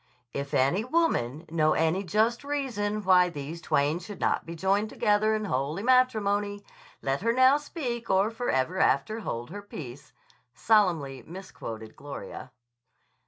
"If any woman know any just reason why these twain should not be joined together in holy matrimony, let her now speak or forever after hold her peace," solemnly misquoted Gloria.